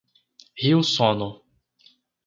Rio Sono